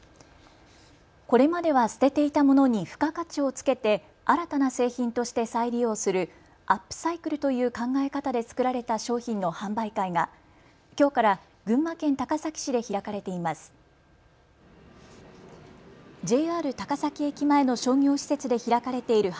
これまでは捨てていたものに付加価値をつけて新たな製品として再利用するアップサイクルという考え方で作られた商品の販売会がきょうから群馬県高崎市で開かれています。